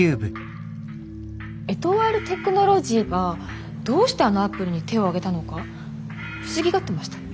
エトワール・テクノロジーがどうしてあのアプリに手を挙げたのか不思議がってました。